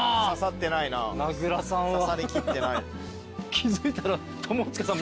気付いたら友近さん